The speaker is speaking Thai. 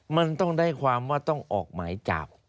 มันต้องได้ความว่าต้องออกหมายจับ